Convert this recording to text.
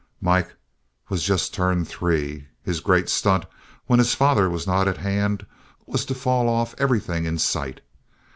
Mike was just turned three. His great stunt, when his father was not at hand, was to fall off everything in sight.